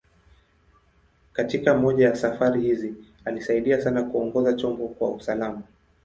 Katika moja ya safari hizi, alisaidia sana kuongoza chombo kwa usalama.